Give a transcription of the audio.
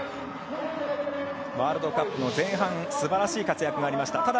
ワールドカップの前半すばらしい活躍がありました。